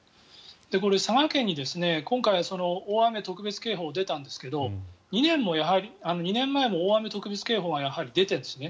これ、佐賀県に今回大雨特別警報が出たんですけど２年前も大雨特別警報が出ているんですね。